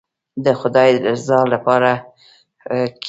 د خداى د رضا دپاره کېګي.